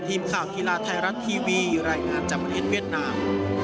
ทีมข่าวฮีลาไทยรัตน์ทีวีรายงานจังหวังเอียดเวียดนาม